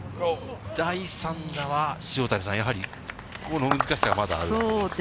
第３打は塩谷さん、やはりここの難しさがまだありますか？